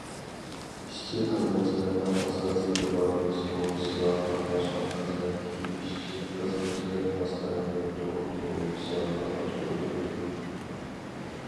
ئىشچى- خىزمەتچىلەرنىڭ ئاساسىي داۋالىنىش سۇغۇرتىسىغا قاتناشقان خىزمەتتىكى ئىشچى- خىزمەتچىلەر ماس قەدەمدە تۇغۇت سۇغۇرتىسىغا قاتناشتۇرۇلىدۇ.